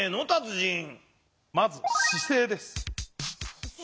まず姿勢です。